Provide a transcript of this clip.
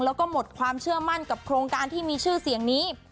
แล้วก็หมดความเชื่อมั่นกับโครงการที่มีชื่อเสียงนี้